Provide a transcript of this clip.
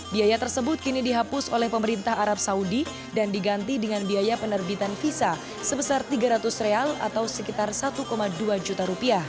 biaya tersebut kini dihapus oleh pemerintah arab saudi dan diganti dengan biaya penerbitan visa sebesar rp tiga ratus atau sekitar rp satu dua juta